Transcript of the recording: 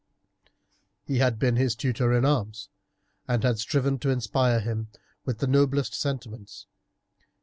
He had been his tutor in arms, and had striven to inspire him with the noblest sentiments.